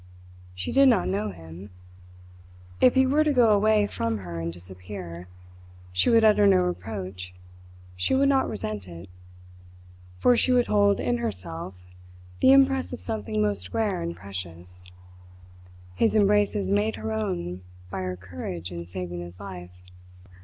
She did not know him. If he were to go away from her and disappear, she would utter no reproach, she would not resent it; for she would hold in herself the impress of something most rare and precious his embraces made her own by her courage in saving his life.